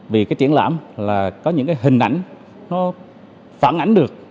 vì cái triển lãm là có những cái hình ảnh nó phản ánh được